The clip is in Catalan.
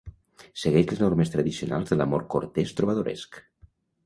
Segueix les normes tradicionals de l'amor cortès trobadoresc.